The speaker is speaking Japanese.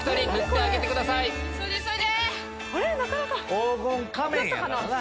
黄金仮面やからな。